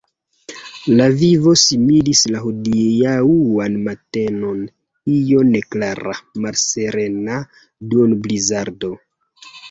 La vivo similis la hodiaŭan matenon – io neklara, malserena duonblizardo.